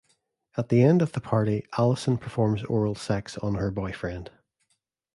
At the end of the party, Allison performs oral sex on her boyfriend.